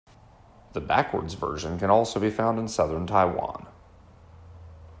The backwards version can also be found in Southern Taiwan.